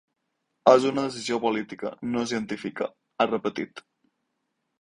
És una decisió política, no científica, ha repetit.